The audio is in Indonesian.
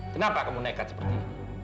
kenapa kamu nekat seperti ini